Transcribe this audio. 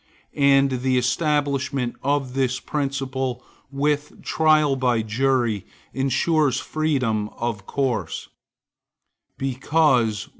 And the establishment of this principle, with trial by jury, insures freedom of course; because:1.